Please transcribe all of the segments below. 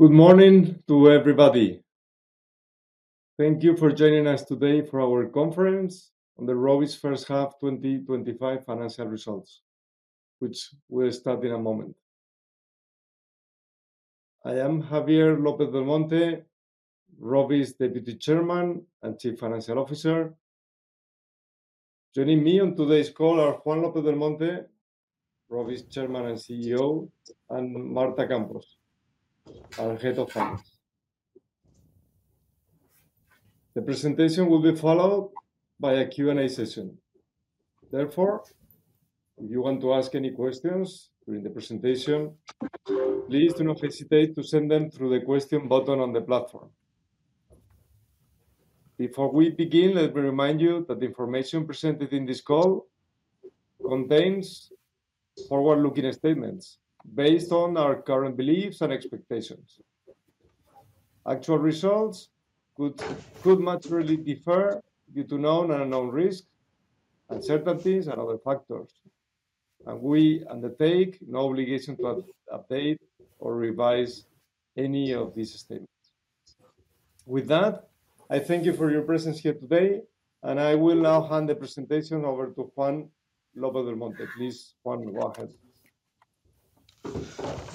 Good morning to everybody. Thank you for joining us today for our conference on the Rovich First Half twenty twenty five Financial Results, which we'll start in a moment. I am Javier Lopez Del Monte, Rovi's deputy chairman and chief financial officer. Joining me on today's call are Juan Oto del Monte, Rovist Chairman and CEO and Marta Campos, our Head of Finance. The presentation will be followed by a Q and A session. Therefore, if you want to ask any questions during the presentation, please do not hesitate to send them through the question button on the platform. Before we begin, let me remind you that the information presented in this call contains forward looking statements based on our current beliefs and expectations. Actual results could materially differ due to known and unknown risks, uncertainties and other factors, and we undertake no obligation to update or revise any of these statements. With that, I thank you for your presence here today, and I will now hand the presentation over to Please, Juan, go ahead.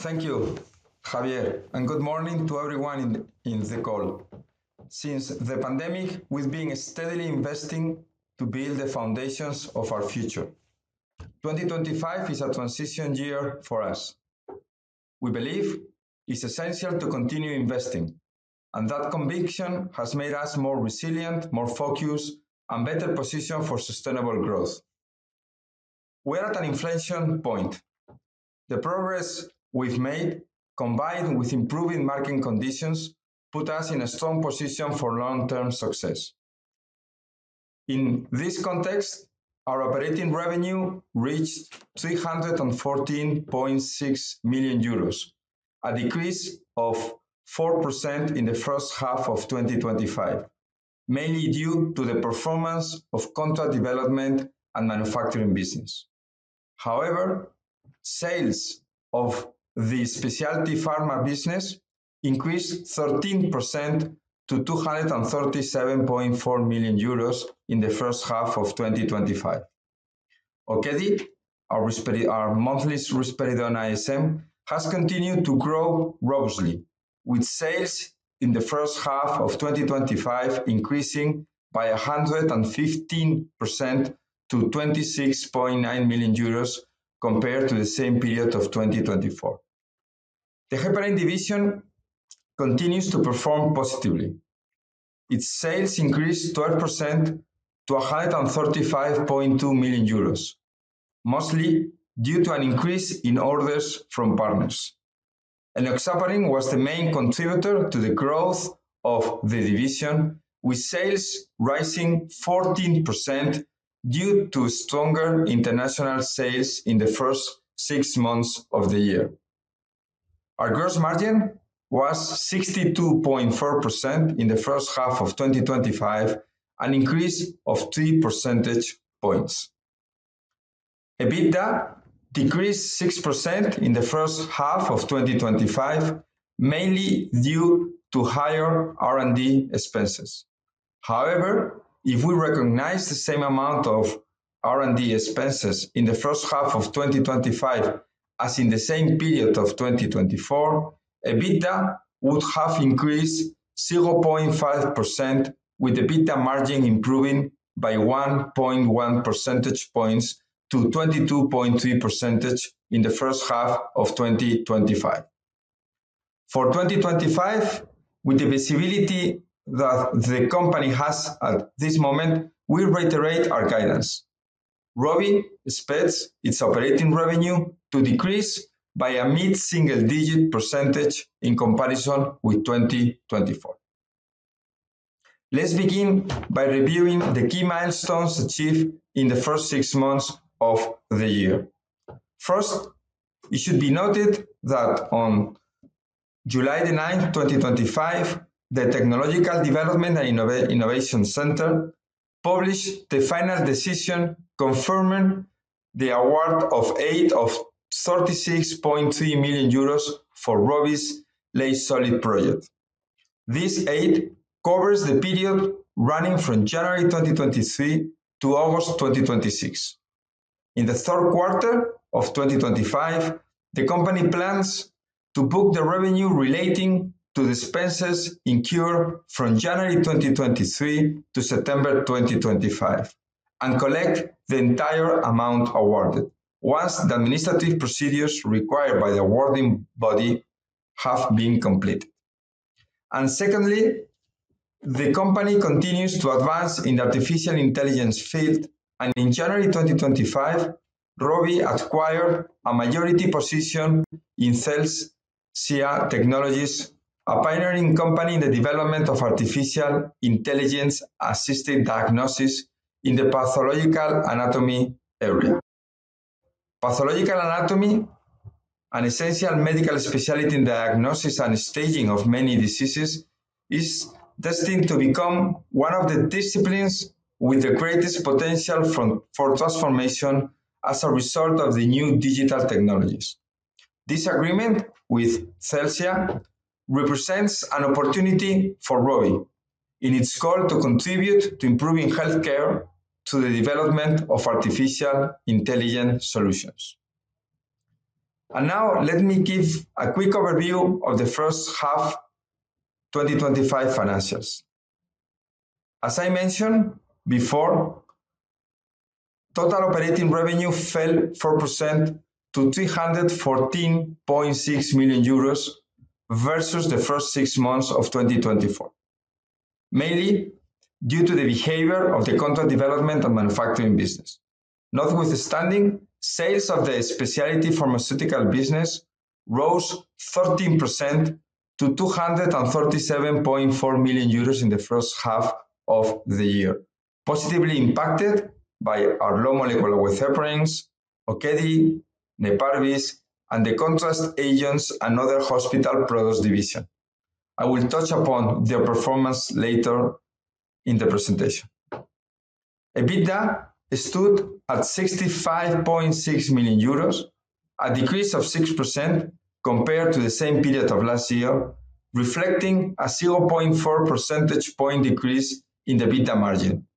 Thank you, Javier, and good morning to everyone in in the call. Since the pandemic, we've been steadily investing to build the foundations of our future. 2025 is a transition year for us. We believe it's essential to continue investing, and that conviction has made us more resilient, more focused, and better positioned for sustainable growth. We're at an inflection point. The progress we've made combined with improving market conditions put us in a strong position for long term success. In this context, our operating revenue reached 3 and 14,600,000.0, a decrease of 4% in the first half of twenty twenty five, mainly due to the performance of contract development and manufacturing business. However, sales of the specialty pharma business increased 13% to €237,400,000 in the first half of twenty twenty five. Okedi, our monthly risk peridone ISM has continued to grow grossly with sales in the 2025 increasing by 115% to €26,900,000 compared to the same period of 2024. The heparin division continues to perform positively. Its sales increased 12% to €135,200,000 mostly due to an increase in orders from partners. Enoxaparin was the main contributor to the growth of the division with sales rising 14% due to stronger international sales in the first six months of the year. Our gross margin was 62.4% in the first half of twenty twenty five, an increase of three percentage points. EBITDA decreased 6% in the first half of twenty twenty five, mainly due to higher R and D expenses. However, if we recognize the same amount of R and D expenses in the 2025 as in the same period of 2024, EBITDA would have increased 0.5% with EBITDA margin improving by 1.1 percentage points to 22.3 percentage in the first half of twenty twenty five. For 2025, with the visibility that the company has at this moment, we reiterate our guidance. Rovi expects its operating revenue to decrease by a mid single digit percentage in comparison with 2024. Let's begin by reviewing the key milestones achieved in the first six months of the year. First, it should be noted that on 07/09/2025, the technological development and innovation center published the final decision confirming the award of aid of €36,300,000 for Robby's late solid project. This aid covers the period running from January 2023 to August 2026. In the third quarter of twenty twenty five, the company plans to book the revenue relating to expenses incurred from January 2023 to September 2025 and collect the entire amount awarded once the administrative procedures required by the awarding body have been completed. And secondly, the company continues to advance in the artificial intelligence field, and in January 2025, Robby acquired a majority position in CELSSIA Technologies, a pioneering company in the development of artificial intelligence assisted diagnosis in the pathological anatomy area. Pathological anatomy, an essential medical specialty in diagnosis and staging of many diseases, is destined to become one of the disciplines with the greatest potential from for transformation as a result of the new digital technologies. This agreement with CELSIA represents an opportunity for Rovi in its goal to contribute to improving health care to the development of artificial intelligence solutions. And now let me give a quick overview of the first half twenty twenty five financials. As I mentioned before, total operating revenue fell 4% to €314,600,000 versus the first six months of twenty twenty four, mainly due to the behavior of the contract development and manufacturing business. Notwithstanding, sales of the Specialty Pharmaceutical business rose 13% to 2 and €37,400,000 in the first half of the year, positively impacted by our low molecular weight heparin, Okeedi, Neparvis and the contrast agents and other hospital products division. I will touch upon their performance later in the presentation. EBITDA stood at 65.6 million euros, a decrease of 6% compared to the same period of last year, reflecting a 0.4 percentage point decrease in EBITDA margin,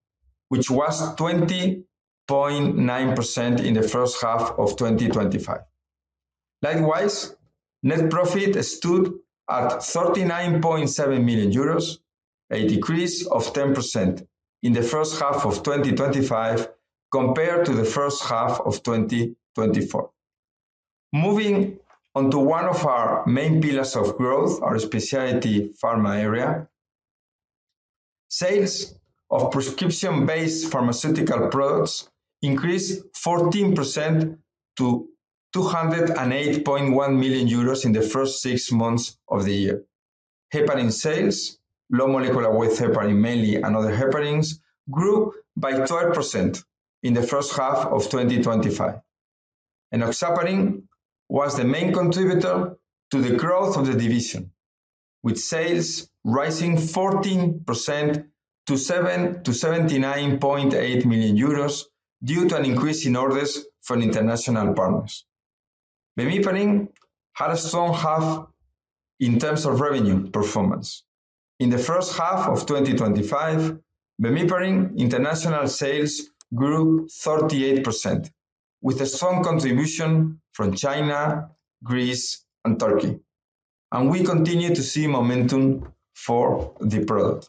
which was 20.9% in the first half of twenty twenty five. Likewise, profit stood at €39,700,000 a decrease of 10% in the 2025 compared to the first half of twenty twenty four. Moving on to one of our main pillars of growth, our specialty pharma area. Sales of prescription based pharmaceutical products increased 14% to €208,100,000 in the first six months of the Heparin sales, low molecular weight heparin mainly and other heparanings, grew by 12% in the first half of twenty twenty five. And oxaparin was the main contributor to the growth of the division, with sales rising 14% to 79.8 million euros due to an increase in orders from international partners. Beniparin had a strong half in terms of revenue performance. In the first half of twenty twenty five, bemipering international sales grew 38% with a strong contribution from China, Greece and Turkey, and we continue to see momentum for the product.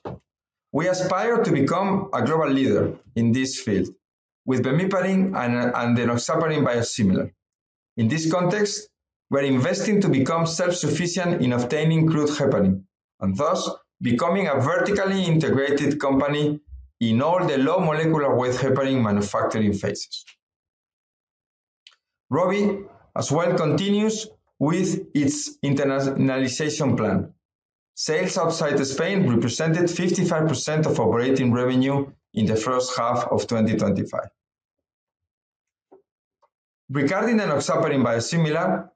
We aspire to become a global leader in this field with veniparin and the nosaparin biosimilar. In this context, we're investing to become self sufficient in obtaining crude heparin, and thus becoming a vertically integrated company in all the low molecular weight heparin manufacturing phases. Rovi as well continues with its internationalization plan. Sales outside Spain represented 55% of operating revenue in the first half of twenty twenty five. Regarding enoxaparin biosimilar,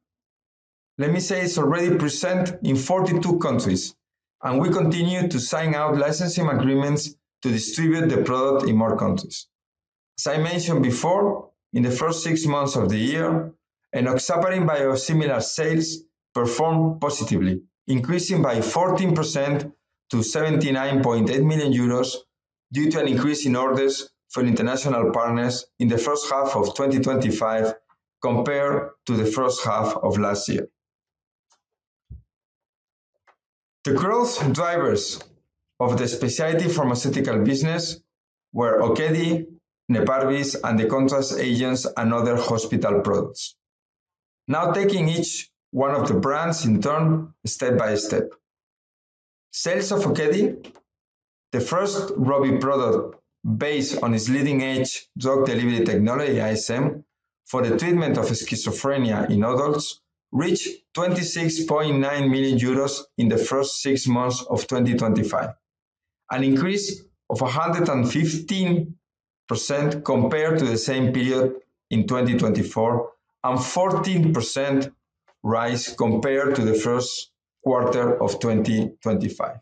let me say it's already present in 42 countries, and we continue to sign out licensing agreements to distribute the product in more countries. As I mentioned before, in the first six months of the year, enoxaparin biosimilar sales performed positively, increasing by 14% to €79,800,000 due to an increase in orders from international partners in the 2025 compared to the first half of last year. The growth drivers of the specialty pharmaceutical business were Ogedy, Nepalvis, and the contrast agents and other hospital products. Now taking each one of the brands in turn step by step. Sales of Ogedy, the first Rovi product based on its leading edge drug delivery technology, ISM, for the treatment of schizophrenia in adults reached €26,900,000 in the first June of twenty twenty five, an increase of 115% compared to the same period in 2024 and fourteen percent rise compared to the first quarter of twenty twenty five.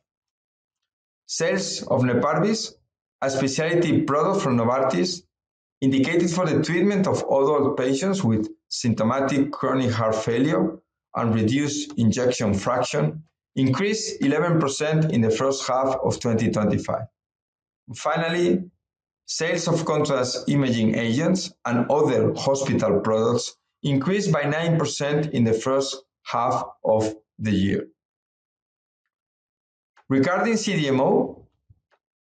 Sales of Leparvis, a specialty product from Novartis, indicated for the treatment of other patients with symptomatic chronic heart failure and reduced injection fraction, increased eleven percent in the first half of twenty twenty five. Finally, sales of contrast imaging agents and other hospital products increased by 9% in the first half of the year. Regarding CDMO,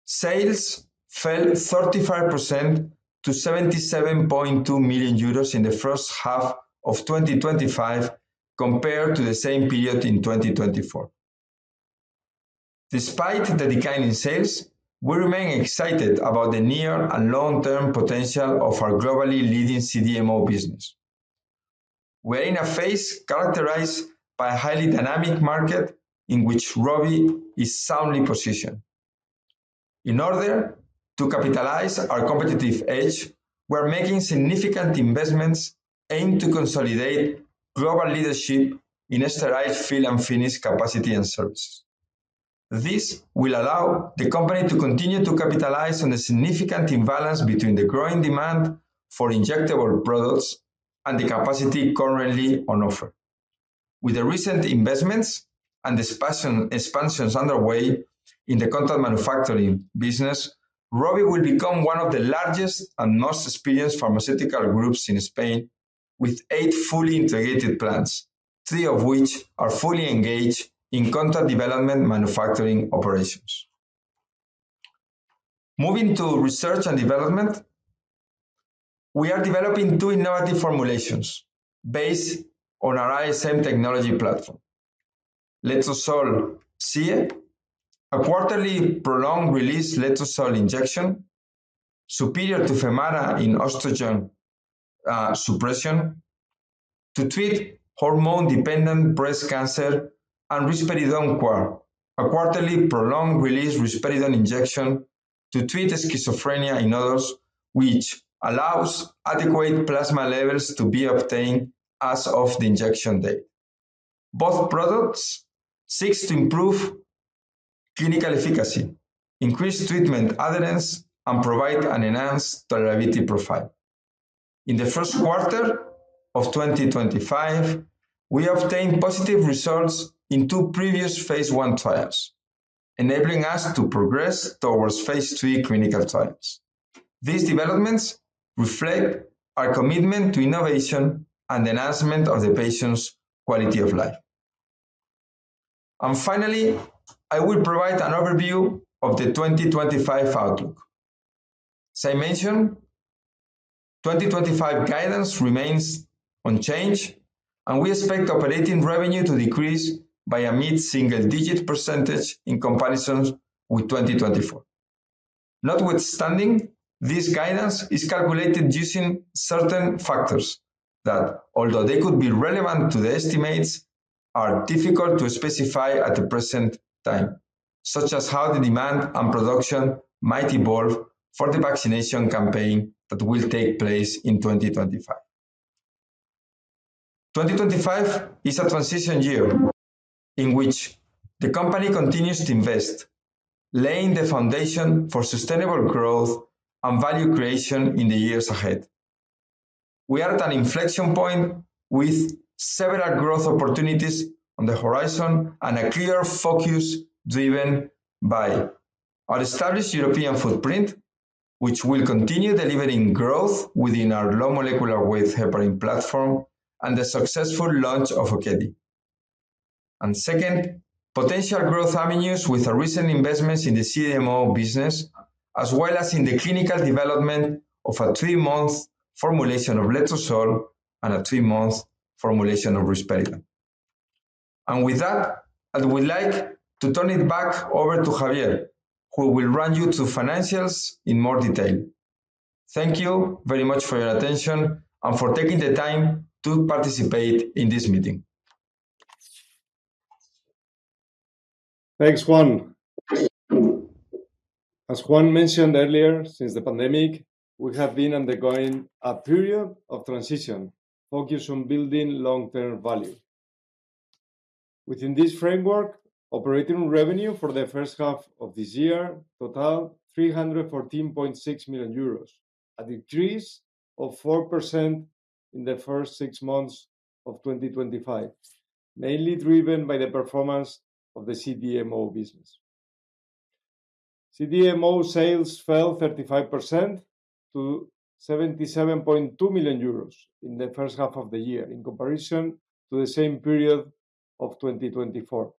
sales fell 35% to €77,200,000 in the 2025 compared to the same period in 2024. Despite the decline in sales, we remain excited about the near and long term potential of our globally leading CDMO business. We're in a phase characterized by a highly dynamic market in which Robbie is soundly positioned. In order to capitalize our competitive edge, we're making significant investments aimed to consolidate global leadership in sterile fill and finish capacity and service. This will allow the company to continue to capitalize on the significant imbalance between the growing demand for injectable products and the capacity currently on offer. With the recent investments and the expansion expansions underway in the contract manufacturing business, Rovi will become one of the largest and most experienced pharmaceutical groups in Spain with eight fully integrated plans, three of which are fully engaged in contract development manufacturing operations. Moving to research and development, we are developing two innovative formulations based on our ISM technology platform. LETROSAL SEA, a quarterly prolonged release LETROSAL injection superior to Femana in estrogen suppression to treat hormone dependent breast cancer and risperidone core, a quarterly prolonged release risperidone injection to treat schizophrenia in others, which allows adequate plasma levels to be obtained as of the injection date. Both products seeks to improve clinical efficacy, increase treatment adherence, and provide an enhanced tolerability profile. In the first quarter of twenty twenty five, we obtained positive results in two previous phase one trials enabling us to progress towards phase three clinical trials. These developments reflect our commitment to innovation and enhancement of the patient's quality of life. And finally, I will provide an overview of the 2025 outlook. As I mentioned, 2025 guidance remains unchanged, and we expect operating revenue to decrease by a mid single digit percentage in comparison with 2024. Notwithstanding, this guidance is calculated using certain factors that, although they could be relevant to the estimates, are difficult to specify at the present time, such as how the demand and production might evolve for the vaccination campaign that will take place in 2025. 2025 is a transition year in which the company continues to invest, laying the foundation for sustainable growth and value creation in the years ahead. We are at an inflection point with several growth opportunities on the horizon and a clear focus driven by our established European footprint, which will continue delivering growth within our low molecular weight heparin platform and the successful launch of Okeedi. And second, potential growth avenues with our recent investments in the CDMO business, as well as in the clinical development of a three month formulation of letrozole and a three month formulation of risperidone. And with that, I would like to turn it back over to Javier, who will run you through financials in more detail. Thank you very much for your attention and for taking the time to participate in this meeting. Thanks, Juan. As Juan mentioned earlier, since the pandemic, we have been undergoing a period of transition focused on building long term value. Within this framework, operating revenue for the first half of this year totaled 314,600,000.0 euros, a decrease of 4% in the first six months of twenty twenty five, mainly driven by the performance of the CDMO business. CDMO sales fell 35% to 77.2 million euros in the first half of the year in comparison to the same period of 2024,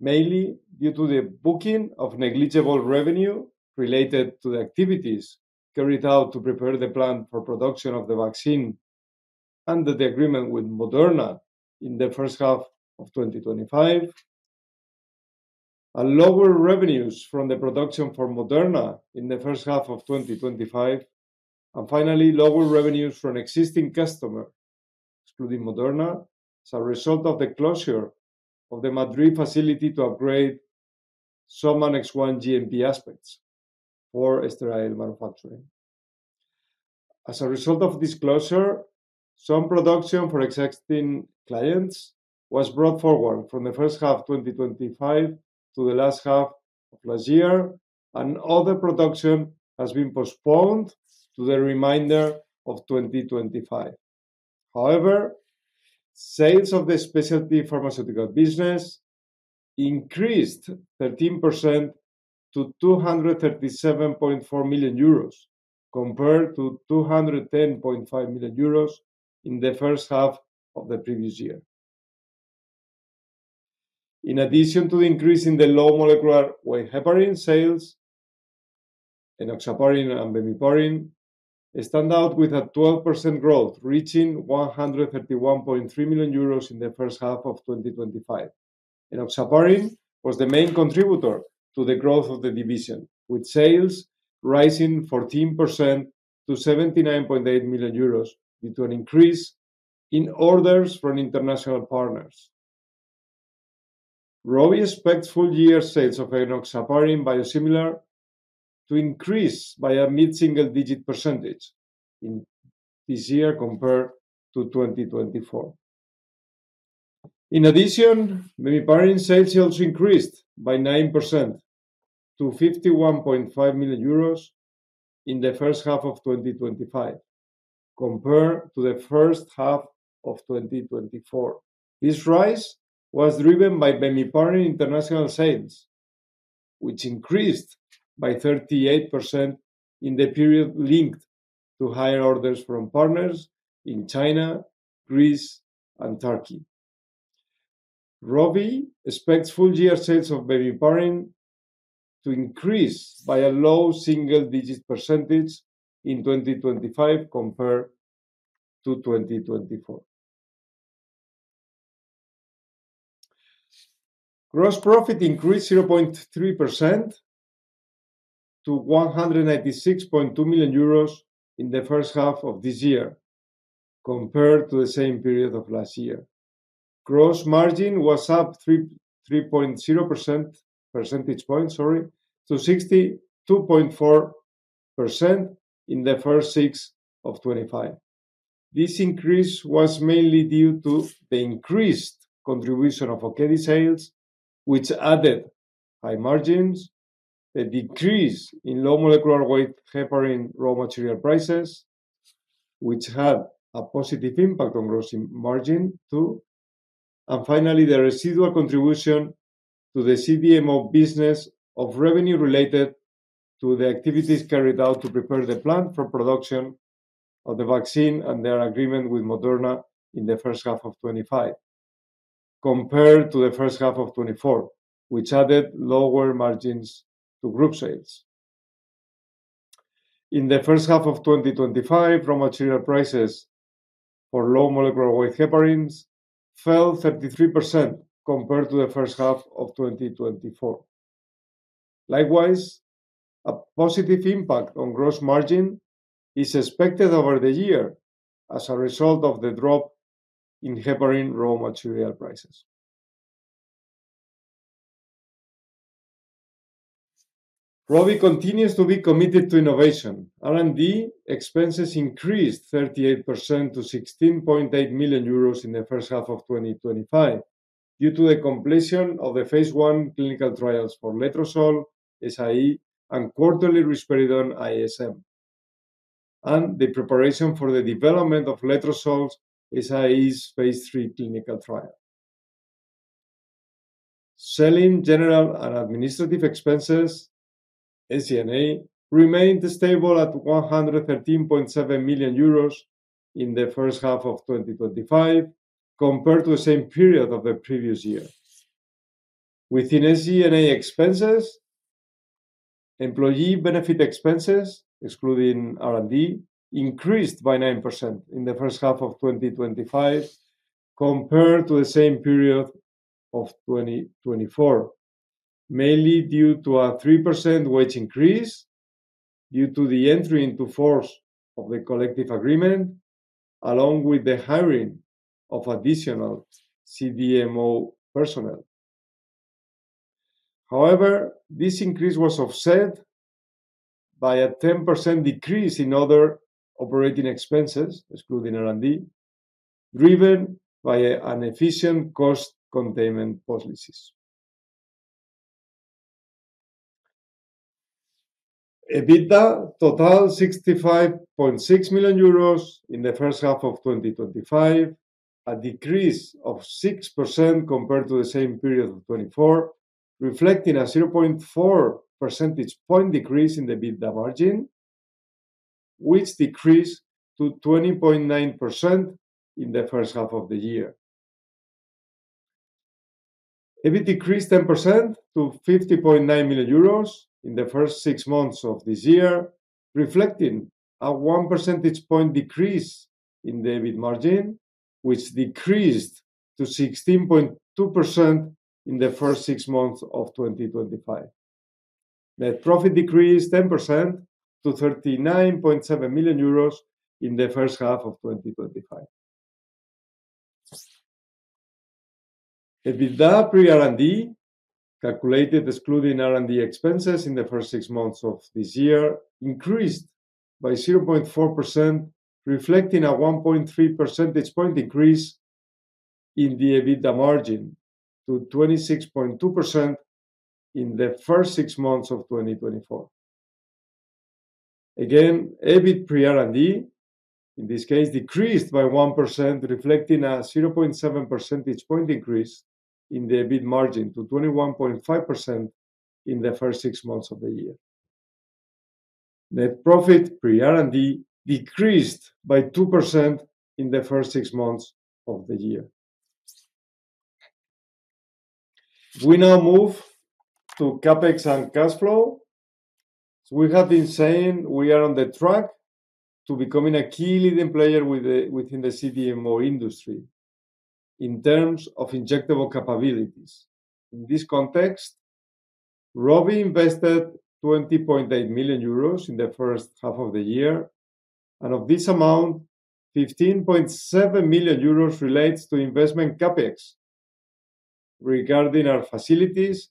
mainly due to the booking of negligible revenue related to the activities carried out to prepare the plant for production of the vaccine under the agreement with Moderna in the first half of twenty twenty five, and lower revenues from the production for Moderna in the first half of twenty twenty five, and finally, lower revenues from existing customer, excluding Moderna, as a result of the closure of the Madrid facility to upgrade SOMA NX1 GMP aspects for sterile manufacturing. As a result of disclosure, some production for existing clients was brought forward from the first half twenty twenty five to the last half of last year, and other production has been postponed to the remainder of 2025. However, sales of the specialty pharmaceutical business increased 13% to 237.4 million euros compared to 210.5 million euros in the first half of the previous year. In addition to the increase in the low molecular Wey heparin sales, enoxaparin and beviparine stand out with a 12% growth, reaching 131,300,000 in the first half of twenty twenty five. And Opsaparin was the main contributor to the growth of the division, with sales rising 14% to 79,800,000.0 euros due to an increase in orders from international partners. Rovi expects full year sales of enoxaparin biosimilar to increase by a mid single digit percentage in this year compared to 2024. In addition, Meliparin sales also increased by 9% to 51,500,000.0 euros in the 2025 compared to the first half of twenty twenty four. This rise was driven by many partner international sales, which increased by 38% in the period linked to higher orders from partners in China, Greece and Turkey. Rovi expects full year sales of vemiparin to increase by a low single digit percentage in 2025 compared to 2024. Gross profit increased 0.3% to 196.2 million euros in the first half of this year compared to the same period of last year. Gross margin was up three point zero percentage points to 62.4% in the first six of twenty twenty five. This increase was mainly due to the increased contribution of Okedi sales, which added high margins, a decrease in low molecular weight heparin raw material prices, which had a positive impact on gross margin too. And finally, the residual contribution to the CDMO business of revenue related to the activities carried out to prepare the plant for production of the vaccine and their agreement with Moderna in the 2025 compared to the first half of twenty twenty four, which added lower margins to group sales. In the 2025 raw material prices for low molecular weight heparins fell 33% compared to the first half of twenty twenty four. Likewise, a positive impact on gross margin is expected over the year as a result of the drop in heparin raw material prices. Rovi continues to be committed to innovation. R and D expenses increased 38% to 16,800,000.0 euros in the 2025 due to the completion of the Phase I clinical trials for Letrozole, SIE and quarterly Risperidone, ISM, and the preparation for the development of Letrozole, SIE's Phase III clinical trial. Selling, general and administrative expenses remained stable at €113,700,000 in the 2025 compared to the same period of the previous year. Within SG and A expenses, employee benefit expenses, excluding R and D, increased by 9% in the 2025 compared to the same period of 2024, mainly due to a 3% wage increase due to the entry into force of the collective agreement along with the hiring of additional CDMO personnel. However, this increase was offset by a 10% decrease in other operating expenses, excluding R and D, driven by an efficient cost containment policies. EBITDA totaled €65,600,000 in the first half of twenty twenty five, a decrease of 6% compared to the same period of 2024, reflecting a 0.4 percentage point decrease in the EBITDA margin, which decreased to 20.9% in the first half of the year. EBIT decreased 10% to €50,900,000 in the first six months of this year, reflecting a one percentage point decrease in the EBIT margin, which decreased to 16.2% in the first six months of twenty twenty five. Net profit decreased 10% to 39.7 million euros in the first half of twenty twenty five. EBITDA pre R and D calculated excluding R and D expenses in the first six months of this year, increased by 0.4%, reflecting a 1.3 percentage point decrease in the EBITDA margin to 26.2% in the first six months of twenty twenty four. Again, EBIT pre R and D, in this case, decreased by 1% reflecting a 0.7 percentage point decrease in the EBIT margin to 21.5% in the first six months of the year. Net profit per R and D decreased by 2% in the first six months of the year. We now move to CapEx and cash flow. So we have been saying we are on the track to becoming a key leading player within the CDMO industry in terms of injectable capabilities. In this context, Rovi invested 20.8 million euros in the first half of the year, and of this amount 15.7 million euros relates to investment CapEx regarding our facilities,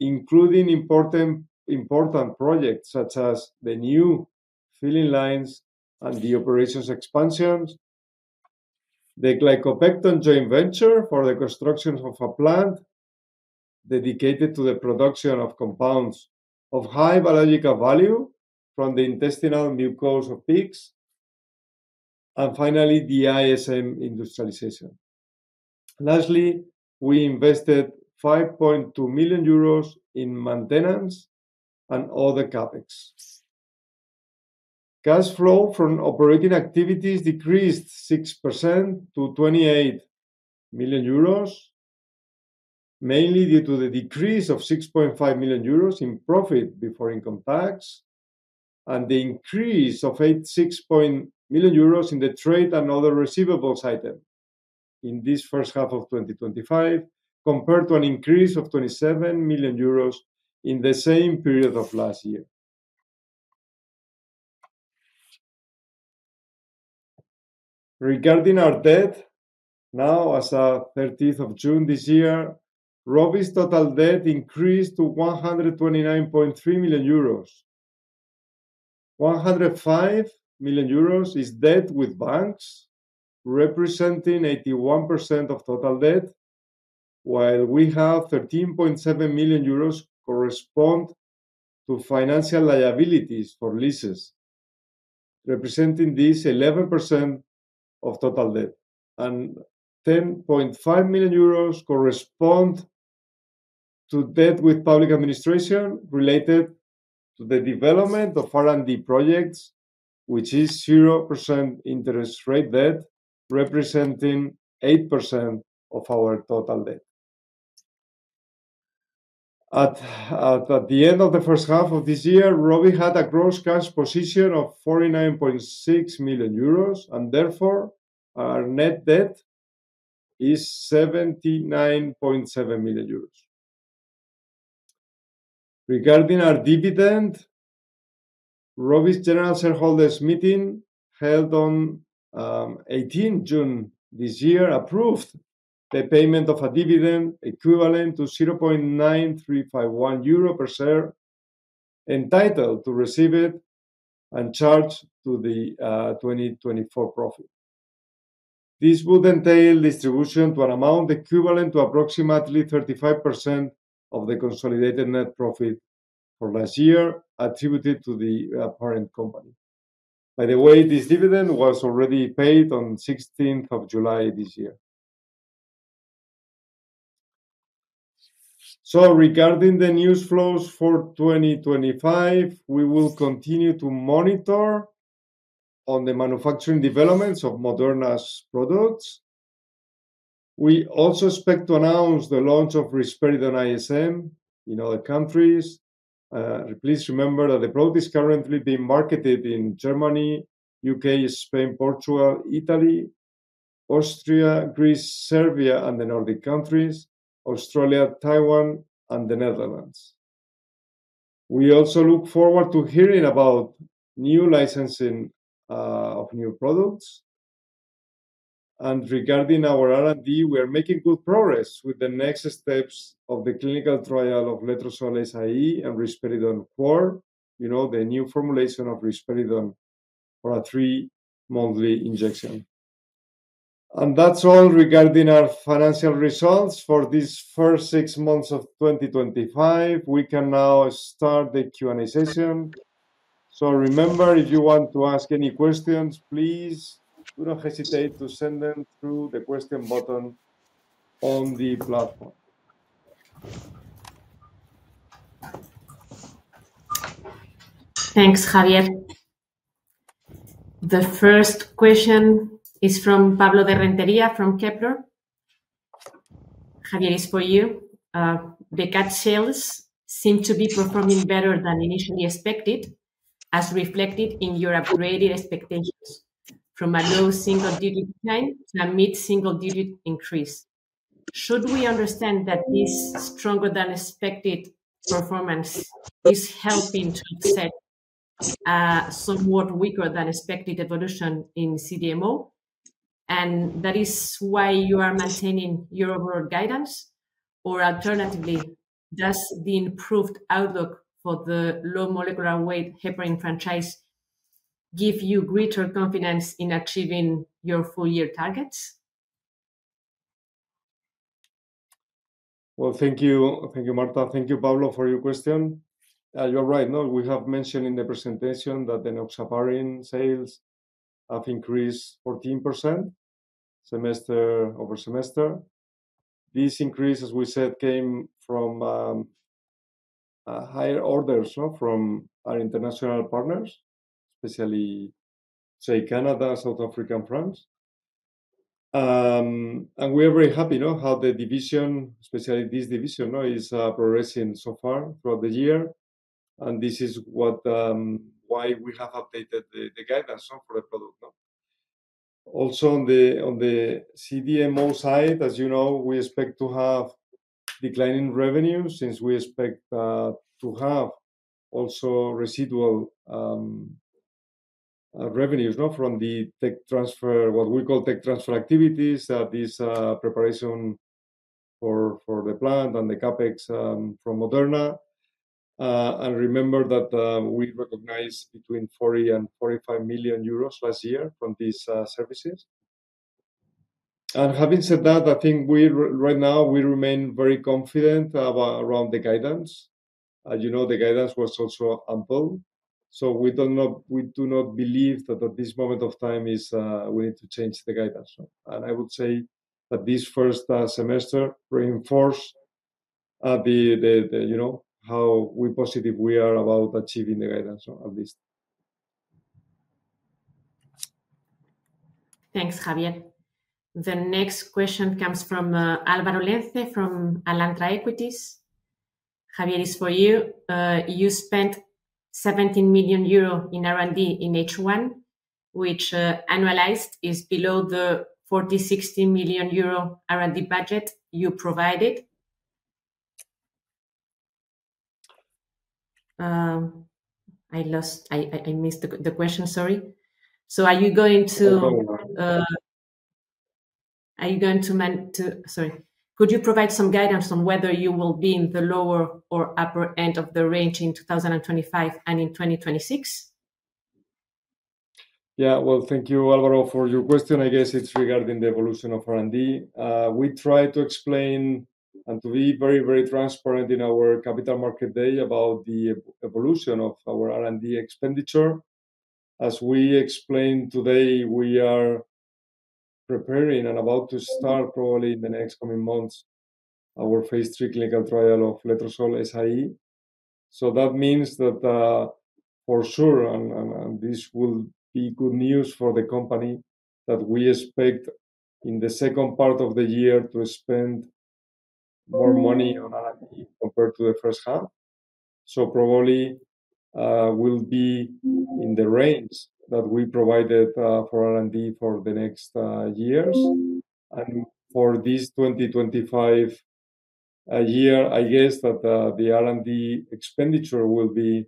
including important projects such as the new filling lines and the operations expansions, the Glycopecton joint venture for the construction of a plant dedicated to the production of compounds of high biological value from the intestinal mucosa of pigs, and finally the ISM industrialization. Lastly, we invested 5.2 million euros in maintenance and other CapEx. Cash flow from operating activities decreased 6% to 28 million euros mainly due to the decrease of 6.5 million euros in profit before income tax and the increase of €86,000,000 in the trade and other receivables item in this 2025 compared to an increase of €27,000,000 in the same period of last year. Regarding our debt, now as of June 30, Rovi's total debt increased to €129,300,000 105 million euros is debt with banks, representing 81% of total debt, while we have 13.7 million euros correspond to financial liabilities for leases, representing this 11% of total debt, and €10,500,000 correspond to debt with public administration related to the development of R and D projects, which is 0% interest rate debt, representing 8% of our total debt. At the end of the first half of this year, Rovi had a gross cash position of 49.6 million euros, and therefore, our net debt is €79,700,000 Regarding our dividend, Roby's General Shareholders Meeting held on June 18 this year approved the payment of a dividend equivalent to €0.9351 per share entitled to receive it and charged to the 2024 profit. This would entail distribution to an amount equivalent to approximately 35 percent of the consolidated net profit for last year attributed to the parent company. By the way, this dividend was already paid on July 16 year. So regarding the news flows for 2025, we will continue to monitor on the manufacturing developments of Moderna's products. We also expect to announce the launch of Risperidone ISM in other countries. Please remember that the product is currently being marketed in Germany, UK, Spain, Portugal, Italy, Austria, Greece, Serbia, and the Nordic countries, Australia, Taiwan, and The Netherlands. We also look forward to hearing about new licensing of new products. And regarding our R and D, we are making good progress with the next steps of the clinical trial of letrozole SIA and risperidone four, you know, the new formulation of risperidone for a three monthly injection. And that's all regarding our financial results for this first six months of twenty twenty five. We can now start the q and a session. So remember, if you want to ask any questions, please do not hesitate to send them through the question button on the platform. Thanks, Javier. The first question is from Pablo Deventeria from Kepler. Javier, it's for you. The cat sales seem to be performing better than initially expected as reflected in your upgraded expectations from a low single digit decline to a mid single digit increase. Should we understand that this stronger than expected performance is helping to offset somewhat weaker than expected evolution in CDMO, and that is why you are maintaining your overall guidance? Or, alternatively, does the improved outlook for the low molecular weight heparin franchise give you greater confidence in achieving your full year targets? Well, thank you. Thank you, Martha. Thank you, Pablo, for your question. You're right. No. We have mentioned in the presentation that the enoxaparin sales have increased 14% semester over semester. This increase, as we said, came from higher orders from our international partners, especially, say, Canada, South African France. And we are very happy, you know, how the division, especially this division, you is progressing so far throughout the year, and this is what why we have updated the the guidance for the product. Also, on the on the CDMO side, as you know, we expect to have declining revenues since we expect to have also residual revenues, not from the tech transfer, what we call tech transfer activities, this preparation for for the plant and the CapEx from Moderna. And remember that we recognized between 40 and €45,000,000 last year from these services. And having said that, I think we right now, we remain very confident around the guidance. You know, the guidance was also ample. So we do not we do not believe that at this moment of time is we need to change the guidance. And I would say that this first semester reinforce the the the you know, how we positive we are about achieving the guidance at least. Thanks, Javier. The next question comes from Alvaro Lente from Alantra Equities. Javier, it's for you. You spent €17,000,000 in R and D in H1, which annualized is below the $4,060,000,000 euro r and d budget you provided? I lost I I I missed the the question. Sorry. So are you going to are you going to meant to sorry. Could you provide some guidance on whether you will be in the lower or upper end of the range in 2025 and in 2026? Yeah. Well, thank you, Alvaro, for your question. I guess it's regarding the evolution of r and d. We try to explain and to be very, very transparent in our Capital Market Day about the evolution of our r and d expenditure. As we explained today, we are preparing and about to start probably in the next coming months our phase three clinical trial of letrozole SIA. So that means that for sure, and and and this will be good news for the company that we expect in the second part of the year to spend more money on compared to the first half. So probably, we'll be in the range that we provided for R and D for the next years. And for this twenty twenty five year, I guess that the the r and d expenditure will be,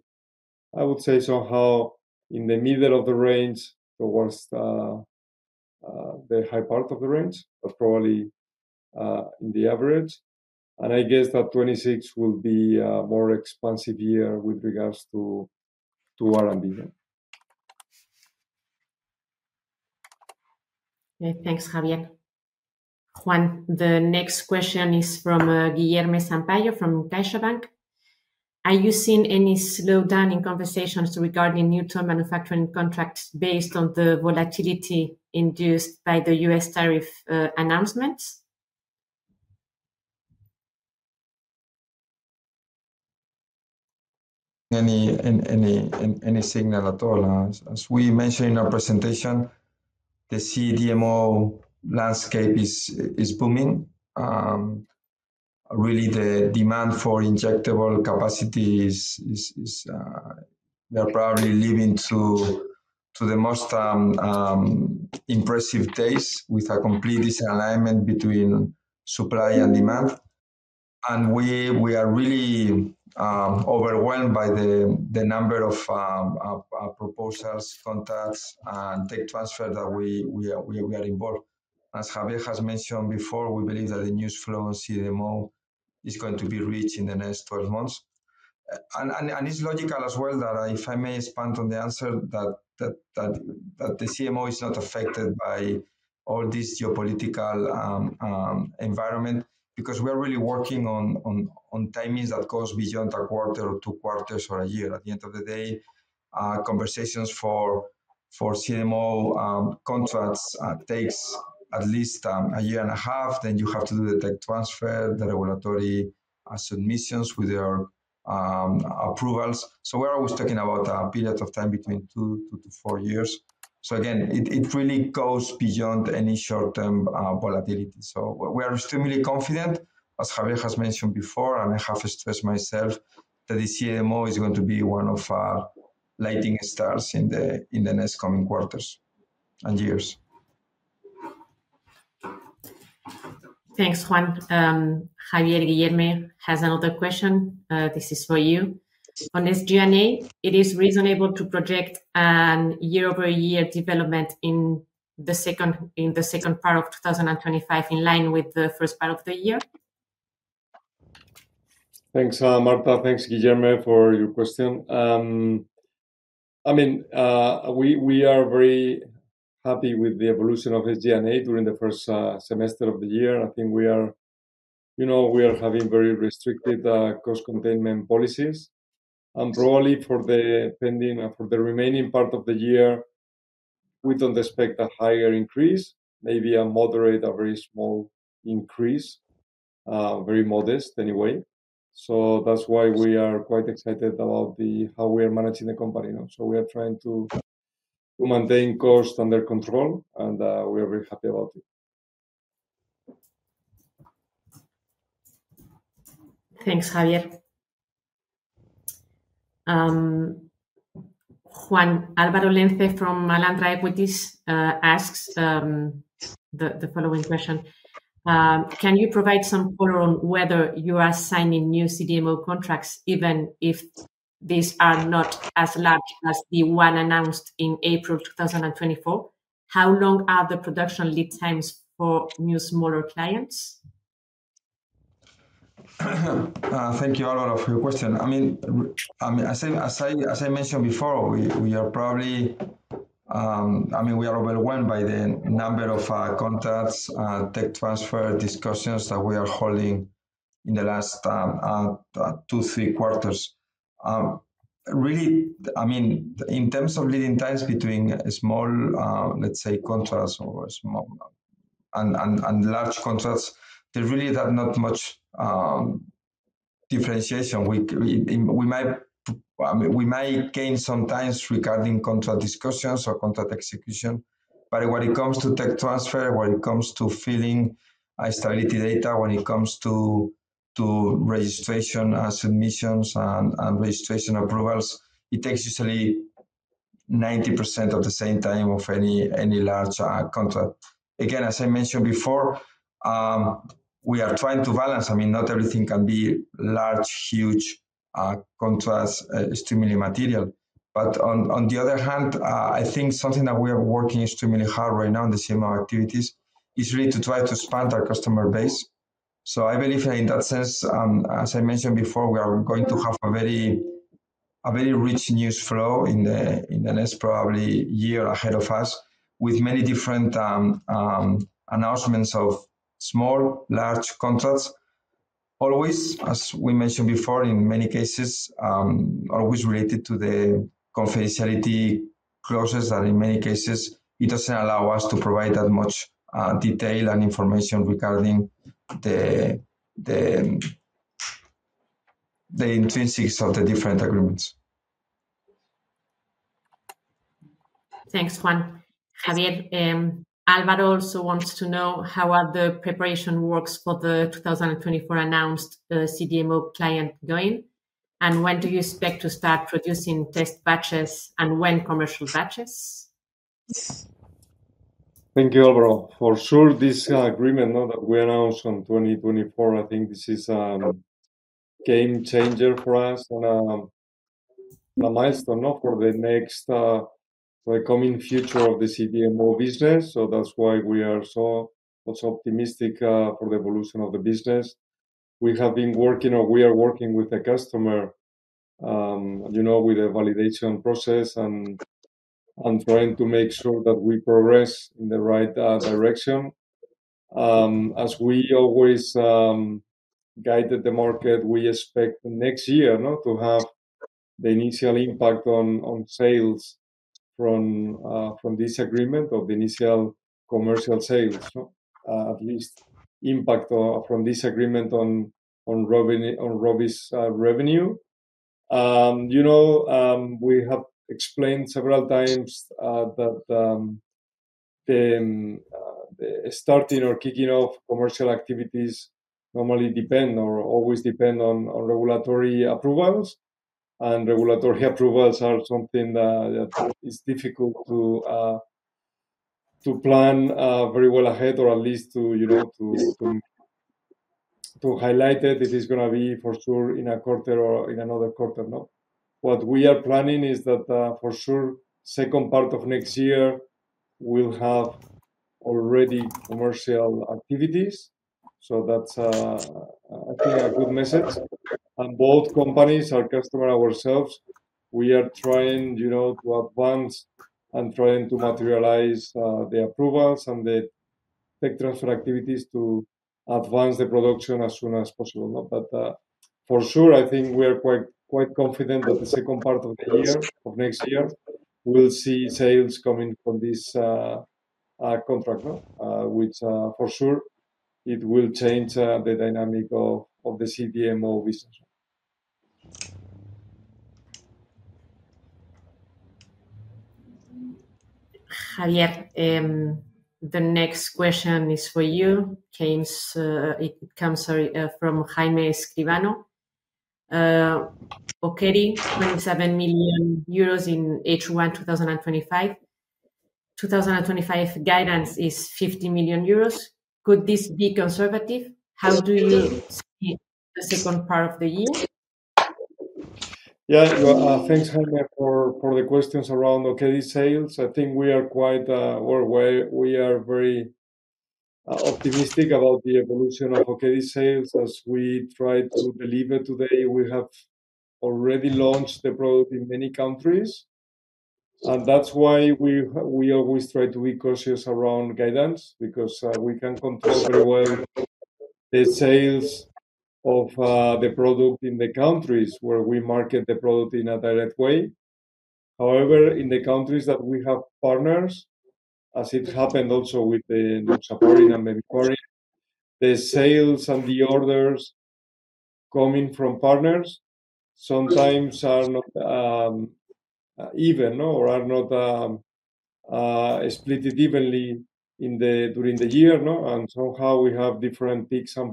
I would say, somehow in the middle of the range towards the high part of the range, but probably in the average. And I guess that '26 will be a more expansive year with regards to to R and D. Thanks, Javier. Juan, the next question is from Guilherme Sampaio from Caixabank. Are you seeing any slowdown in conversations regarding new term manufacturing contracts based on the volatility induced by The US tariff announcements? Any any any signal at all? As we mentioned in our presentation, the CDMO landscape is is booming. Really, the demand for injectable capacity is is is they're probably living to to the most impressive days with a complete disalignment between supply and demand. And we we are really overwhelmed by the the number of proposals, contacts, tech transfer that we we are we are involved. As Javier has mentioned before, we believe that the news flow on CDMO is going to be reached in the next twelve months. And and and it's logical as well that I if I may expand on the answer that that that that the CMO is not affected by all this geopolitical environment because we are really working on on on timings that goes beyond a quarter or two quarters or a year. At the end of the day, conversations for for CMO contracts takes at least a year and a half, then you have to do the tech transfer, the regulatory submissions with their approvals. So we're always talking about a period of time between two to four years. So, again, it it really goes beyond any short term volatility. So we are extremely confident, as Javier has mentioned before, and I have stressed myself that this CMO is going to be one of lighting stars in the in the next coming quarters and years. Thanks, Juan. Javier Guillermo has another question. This is for you. On SG and A, it is reasonable to project an year over year development in the second 2025 in line with the first part of the year. Thanks, Martha. Thanks, Guillermo, for your question. I mean, we we are very happy with the evolution of SG and A during the first semester of the year. I think we are, you know, we are having very restricted cost containment policies. And probably for the pending for the remaining part of the year, we don't expect a higher increase, maybe a moderate, a very small increase, very modest anyway. So that's why we are quite excited about the how we are managing the company now. So we are trying to to maintain cost under control, and we are very happy about it. Thanks, Javier. Juan Alvaro Lente from Alantra Equities asks the the following question. Can you provide some color on whether you are signing new CDMO contracts even if these are not as large as the one announced in April 2024? How long are the production lead times for new smaller clients? Thank you a lot of your question. I mean, I mean, as I as I mentioned before, we we are probably I mean, we are overwhelmed by the number of contacts, tech transfer discussions that we are holding in the last two, three quarters. Really, I mean, in terms of leading times between small, let's say, contracts or small and and and large contracts, there really have not much differentiation. We we we might, I mean, we might gain sometimes regarding contract discussions or contract execution. But when it comes to tech transfer, when it comes to filling a stability data, when it comes to to registration submissions and and registration approvals, it takes usually 90% of the same time of any any large contract. Again, as I mentioned before, we are trying to balance. I mean, not everything can be large, huge contracts extremely material. But on on the other hand, I think something that we are working extremely hard right now in the CMO activities is really to try to expand our customer base. So I believe in that sense, as I mentioned before, we are going to have a very a very rich news flow in the in the next probably year ahead of us with many different announcements of small, large contracts. Always, as we mentioned before, in many cases, always related to the confidentiality clauses. And in many cases, it doesn't allow us to provide that much detail and information regarding the the intrinsics of the different agreements. Thanks, Juan. Javier, Alvaro also wants to know how are the preparation works for the 2,024 announced CDMO client going, And when do you expect to start producing test batches and when commercial batches? Thank you, overall. For sure, this agreement, know, that we announced on 2024, I think this is game changer for us and a milestone for the next for the coming future of the CDMO business. So that's why we are so was optimistic for the evolution of the business. We have been working we are working with the customer, you know, with the validation process and and trying to make sure that we progress in the right direction. As we always guided the market, we expect next year, no, to have the initial impact on on sales from from this agreement or the initial commercial sales, no, at least impact from this agreement on on on Robby's revenue. You know, we have explained several times that the starting or kicking off commercial activities normally depend or always depend on on regulatory approvals. And regulatory approvals are something that is difficult to to plan very well ahead or at least to, you know, to highlight that this is gonna be for sure in a quarter or in another quarter. No? What we are planning is that, for sure, second part of next year, we'll have already commercial activities. So that's, I think, a good message. And both companies, our customer ourselves, we are trying, you know, to advance and trying to materialize the approvals and the tech transfer activities to advance the production as soon as possible. But for sure, I think we are quite quite confident that the second part of the year of next year, we'll see sales coming from this contract, which for sure, it will change the dynamic of of the CDMO business. Yep. The next question is for you. It comes, sorry, from Jaime Skibano. Okay. €27,000,000 in h one two thousand and twenty five. 2025 guidance is €50,000,000. Could this be conservative? How do you see the second part of the year? Yeah. Thanks, Helga, for for the questions around OKD sales. I think we are quite we're way we are very optimistic about the evolution of OKD sales as we try to deliver today. We have already launched the product in many countries. And that's why we we always try to be cautious around guidance because we can control very well the sales of the product in the countries where we market the product in a direct way. However, in the countries that we have partners, as it happened also with the North American, sales and the orders coming from partners sometimes are not even or are not split it evenly in the during the year. No? And somehow we have different peaks and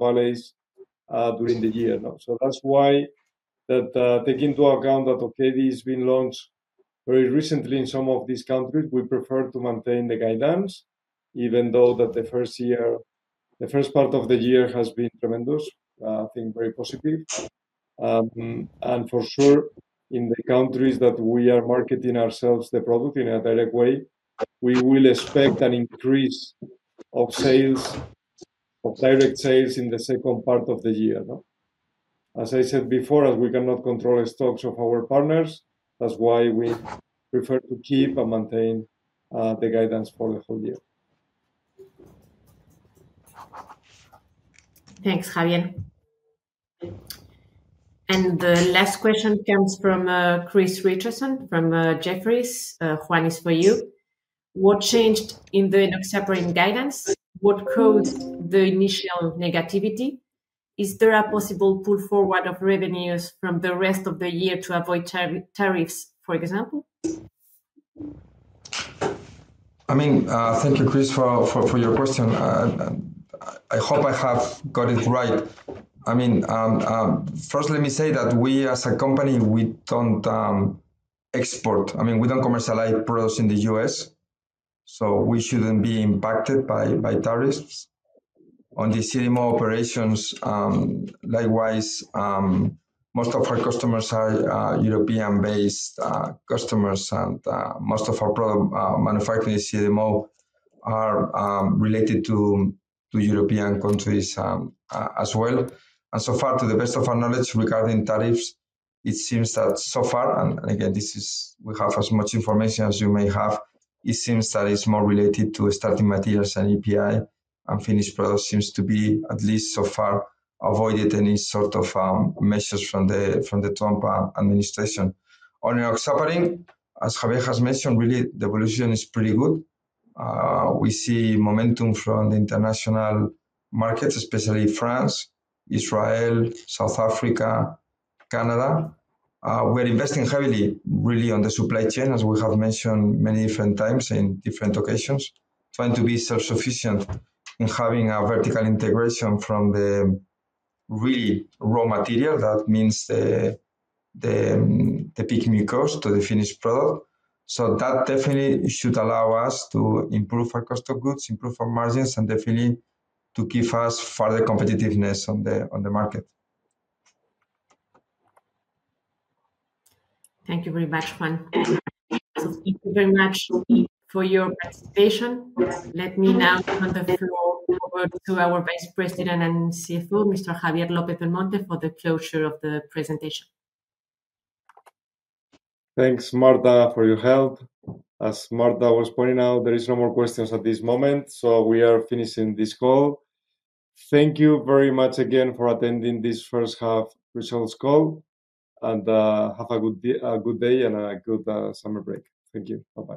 valleys during the year. No? So that's why that take into account that, okay, this has been launched very recently in some of these countries. We prefer to maintain the guidance even though that the first year the first part of the year has been tremendous. Think very positive. And for sure, in the countries that we are marketing ourselves the product in a direct way, we will expect an increase of sales of direct sales in the second part of the year. As I said before, we cannot control stocks of our partners. That's why we prefer to keep and maintain the guidance for the whole year. Thanks, Javier. And the last question comes from Chris Richardson from Jefferies. Juan, it's for you. What changed in the Nexaparin guidance? What caused the initial negativity? Is there a possible pull forward of revenues from the rest of the year to avoid tariff tariffs, for example? I mean, thank you, Chris, for for for your question. I hope I have got it right. I mean, first, let me say that we, as a company, we don't export. I mean, we don't commercialize products in The US, so we shouldn't be impacted by by tariffs. On the CDMO operations, likewise, most of our customers are European based customers, and most of our product manufacturing CDMO are related to to European countries as well. And so far, to the best of our knowledge regarding tariffs, it seems that so far and and, again, this is we have as much information as you may have. It seems that it's more related to starting materials and API, and finished product seems to be, at least so far, avoided any sort of measures from the from the Trump administration. On Iraq's suffering, as Javier has mentioned, really, the evolution is pretty good. We see momentum from the international markets, France, Israel, South Africa, Canada. We're investing heavily really on the supply chain as we have mentioned many different times in different occasions, trying to be self sufficient in having a vertical integration from the really raw material. That means the the peak new cost to the finished product. So that definitely should allow us to improve our cost of goods, improve our margins, and definitely to give us further competitiveness on the on the market. Thank you very much, Juan. So thank you very much for your participation. Let me now hand the floor over to our vice president and CFO, mister Javier Lopez Del Monte, for the closure of the presentation. Thanks, Marta, for your help. As Marta was pointing out, there is no more questions at this moment, so we are finishing this call. Thank you very much again for attending this first half results call, and have a good day a good day and a good summer break. Thank you. Bye bye.